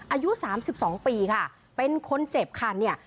อายุสามสิบสองปีค่ะเป็นคนเจ็บค่ะเนี่ย